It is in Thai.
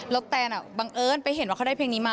แล้วแตนบังเอิญไปเห็นว่าเขาได้เพลงนี้มา